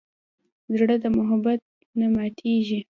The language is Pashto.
زړه د محبت نه ماتېږي.